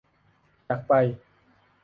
อยากไป